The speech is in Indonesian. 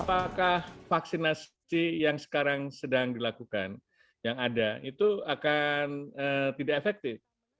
apakah vaksinasi yang sekarang sedang dilakukan yang ada itu akan tidak efektif